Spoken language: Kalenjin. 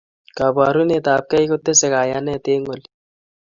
Kabarunet ab gei kotesei kayanet eng' olik